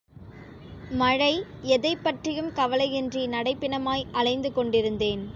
மழை எதைப் பற்றியும் கவலையின்றி நடைப் பிணமாய் அலைந்து கொண்டிருந்தேன்.